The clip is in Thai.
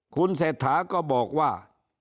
คุณเศรษฐาก็บอกว่า